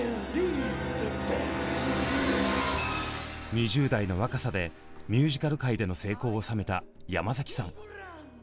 ２０代の若さでミュージカル界での成功を収めた山崎さん。